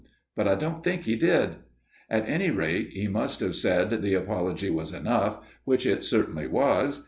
But I don't think he did. At any rate, he must have said the apology was enough; which it certainly was.